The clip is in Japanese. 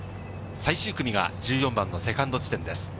最終組が１４番のセカンド地点です。